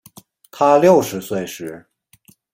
她六十岁时